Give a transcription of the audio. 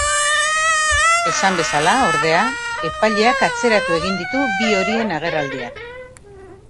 Esan bezala, ordea, epaileak atzeratu egin ditu bi horien agerraldiak.